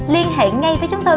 liên hệ ngay với chúng tôi